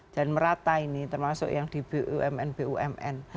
dan merata ini termasuk yang di bumn bumn